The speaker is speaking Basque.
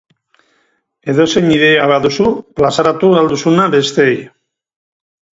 Edozein ideia baduzu, plazaratu ahal duzuna besteei.